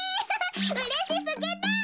うれしすぎる！